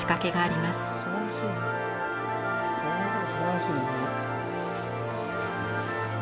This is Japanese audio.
すばらしいな。